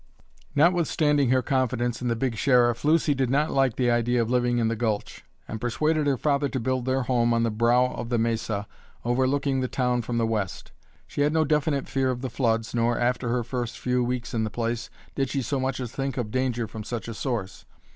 Notwithstanding her confidence in the big Sheriff, Lucy did not like the idea of living in the gulch, and persuaded her father to build their home on the brow of the mesa overlooking the town from the west. She had no definite fear of the floods nor, after her first few weeks in the place, did she so much as think of danger from such a source.